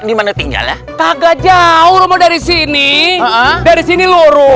dimana tinggal ya kagak jauh romo dari sini dari sini loro